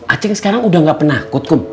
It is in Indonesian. a'at sekarang udah nggak penakut kum